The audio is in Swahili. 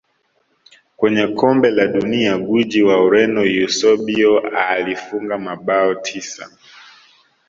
Kwenye kombe la dunia gwiji wa ureno eusebio alifunga mabao tisa